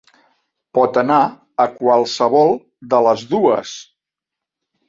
Pot anar a qualsevol de les dues.